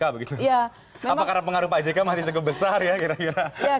apa karena pengaruh pak jk masih cukup besar ya kira kira